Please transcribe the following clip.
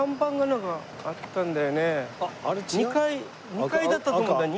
２階だったと思うんだよ